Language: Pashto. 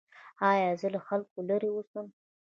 ایا زه له خلکو لرې اوسم؟